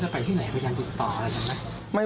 พี่ฟัลโรมีไหม